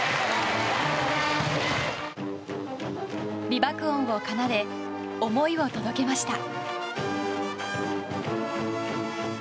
美爆音を奏で思いを届けました。